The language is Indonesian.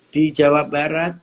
di jawa barat